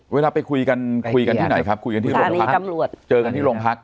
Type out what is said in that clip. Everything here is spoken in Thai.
เวลาไปคุยกันคุยกันที่ไหนครับคุยกันที่โรงพักเจอกันที่โรงพัก